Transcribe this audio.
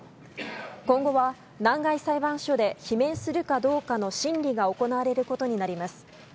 今後は弾劾裁判所で罷免するかどうかの審理が行われることになります。